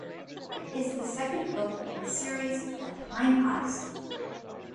It is the second book in the series "A Time Odyssey".